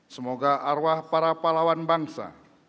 semoga arwah para pahlawan bangsa